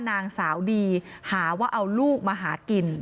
นางสาวดีหาว่าเอาลูกมาหากิน